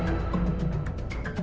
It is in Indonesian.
kalian mau kemana